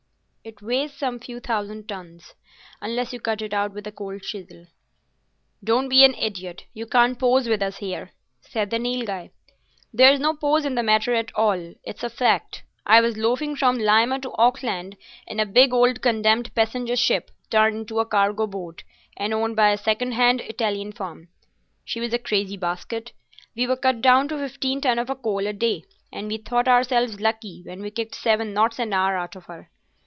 It weighs some few thousand tons—unless you cut it out with a cold chisel." "Don't be an idiot. You can't pose with us here," said the Nilghai. "There's no pose in the matter at all. It's a fact. I was loafing from Lima to Auckland in a big, old, condemned passenger ship turned into a cargo boat and owned by a second hand Italian firm. She was a crazy basket. We were cut down to fifteen ton of coal a day, and we thought ourselves lucky when we kicked seven knots an hour out of her.